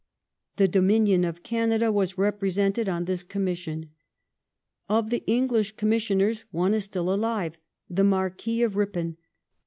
The Dominion of Canada was represented on this commission. Of the English commis sioners, one is still alive, the Marquis of Ripon.